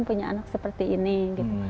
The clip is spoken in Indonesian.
punya anak seperti ini gitu